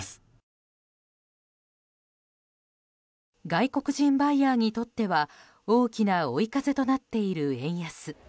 外国人バイヤーにとっては大きな追い風となっている円安。